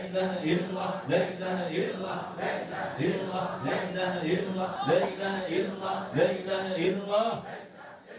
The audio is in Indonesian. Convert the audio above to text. dainahillah dainahillah dainahillah dainahillah dainahillah dainahillah